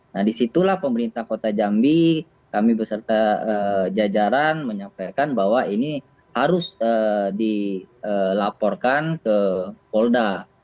nah disitulah pemerintah kota jambi kami beserta jajaran menyampaikan bahwa ini harus dilaporkan ke polda